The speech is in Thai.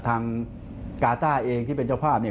ทางกาต้าเองที่เป็นเจ้าภาพเนี่ย